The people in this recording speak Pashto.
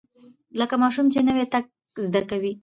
لکه ماشوم چې نوى تګ زده کوي.